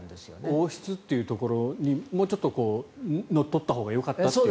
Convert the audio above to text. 王室っていうところにもうちょっとのっとったほうがよかったという。